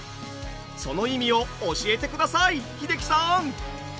その意味を教えてください英樹さん。